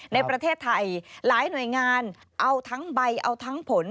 ในประเทศไทยหลายหน่วยงานเอาทั้งใบเอาทั้งผล